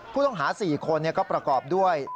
ผู้ต้องหา๔คนก็ประกอบด้วย